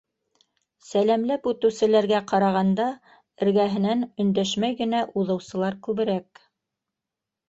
Сәләмләп үтеүселәргә ҡарағанда эргәһенән өндәшмәй генә уҙыусылар күберәк.